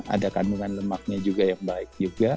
ada kandungan lemaknya juga yang baik juga